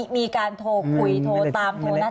มีการโทรคุยโทรตามโทรนัด